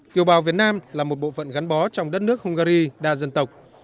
kiều bào việt nam là một bộ phận gắn bó trong đất nước hungary đa dân tộc